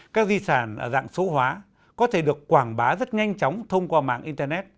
các di sản dạng số hóa có thể được quảng bá rất nhanh chóng thông qua mạng internet